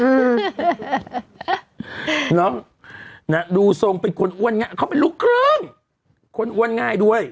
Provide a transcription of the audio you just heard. น้องดูทรงเป็นคนอ้วนง่ายเขาเป็นลูกครึ่งคนอ้วนง่ายด้วย